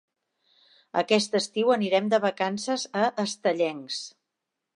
Aquest estiu anirem de vacances a Estellencs.